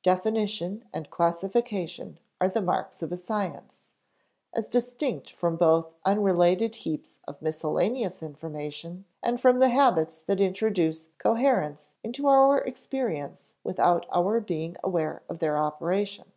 _ definition and classification are the marks of a science, as distinct from both unrelated heaps of miscellaneous information and from the habits that introduce coherence into our experience without our being aware of their operation.